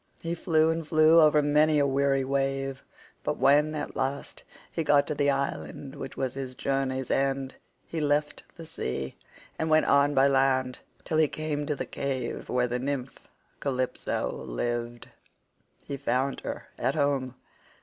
He flew and flew over many a weary wave, but when at last he got to the island which was his journey's end, he left the sea and went on by land till he came to the cave where the nymph Calypso lived. He found her at home.